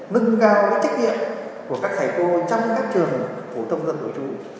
nâng cao các trách nhiệm của các thầy cô trong các trường phổ thông dân tổ trụ